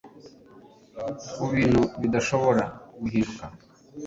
Ku bintu bidashobora guhinduka